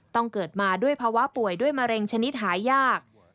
เกิดมาด้วยภาวะป่วยด้วยมะเร็งชนิดหายาก